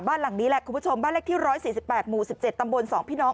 บ้านหลังนี้แหละคุณผู้ชมบ้านเลขที่๑๔๘หมู่๑๗ตำบล๒พี่น้อง